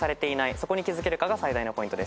そこに気付けるかが最大のポイントです。